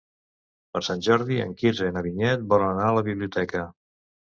Per Sant Jordi en Quirze i na Vinyet volen anar a la biblioteca.